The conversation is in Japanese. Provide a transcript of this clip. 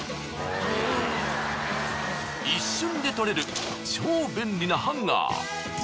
一瞬で取れる超便利なハンガー。